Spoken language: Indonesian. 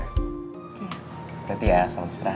hati hati ya selamat istirahat